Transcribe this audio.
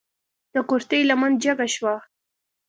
د کورتۍ لمنه جګه شوه.